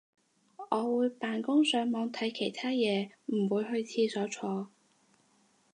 我會扮工上網睇其他嘢唔會去廁所坐